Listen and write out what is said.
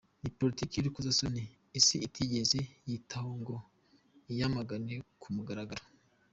Ni politiki y’urukozasoni isi itigeze yitaho ngo iyamagane ku mugaragaro.